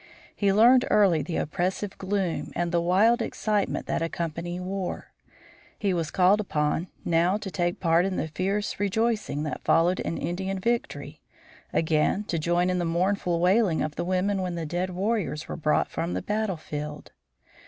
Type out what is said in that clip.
He learned early the oppressive gloom and the wild excitement that accompany war. He was called upon, now to take part in the fierce rejoicing that followed an Indian victory; again, to join in the mournful wailing of the women when the dead warriors were brought from the battlefield.